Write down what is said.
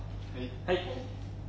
はい。